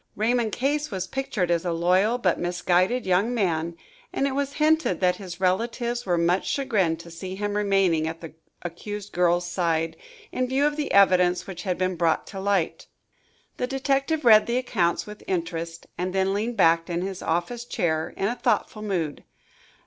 Raymond Case was pictured as a loyal, but misguided young man, and it was hinted that his relatives were much chagrined to see him remaining at the accused girl's side, in view of the evidence which had been brought to light. The detective read the accounts with interest and then leaned back in his office chair in a thoughtful mood.